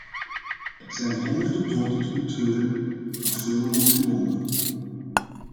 Er zijn honderden doden te betreuren en nog veel meer gewonden.